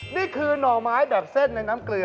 หน่อไม้แบบเส้นในน้ำเกลือ